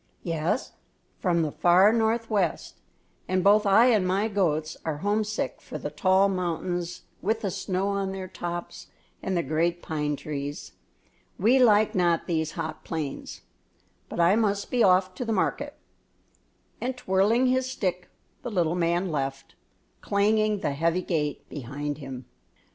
"Yes, from the far northwest; and both I and my goats are homesick for the tall mountains with the snow on their tops and the great pine trees. We like not these hot plains; but I must be off to the market," and, twirling his stick, the little man left, clanging the heavy gate behind him.